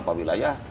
ada beberapa wilayah